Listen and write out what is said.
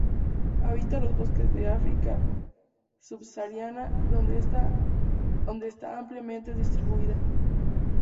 Habita los bosques del África subsahariana, donde está ampliamente distribuida.